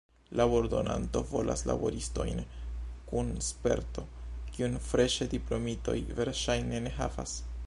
Labordonanto volas laboristojn kun sperto, kiun freŝe diplomitoj verŝajne ne havas.